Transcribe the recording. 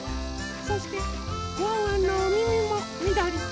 そしてワンワンのおみみもみどり。